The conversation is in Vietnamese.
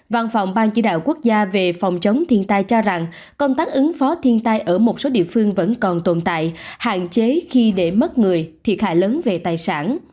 văn phòng ban chỉ đạo quốc gia về phòng chống thiên tai cho rằng công tác ứng phó thiên tai ở một số địa phương vẫn còn tồn tại hạn chế khi để mất người thiệt hại lớn về tài sản